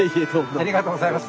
ありがとうございます。